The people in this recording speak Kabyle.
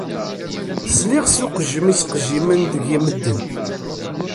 Sliɣ s uqejjem i ttqejjimen deg-i medden.